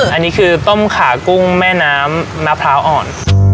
อันนี้คือต้มขากุ้งแม่น้ำมะพร้าวอ่อน